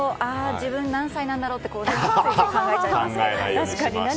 自分、何歳なんだろうって考えちゃいますけどね。